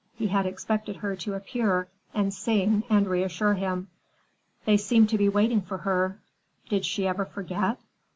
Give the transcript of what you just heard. He had expected her to appear and sing and reassure him. They seemed to be waiting for her. Did she ever forget?